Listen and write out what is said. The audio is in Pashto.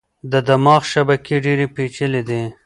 د دماغ شبکې ډېرې پېچلې دي.